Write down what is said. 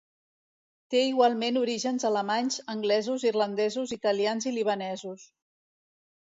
Té igualment orígens alemanys, anglesos, irlandesos, italians i libanesos.